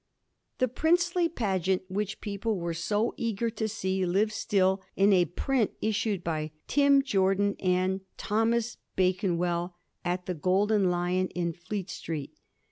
The princely pageant which people were so eager to see lives still in a print issued by ^ Tim. Jordan and Tho. Bakenwell at Ye Golden Lion in Fleet Street.'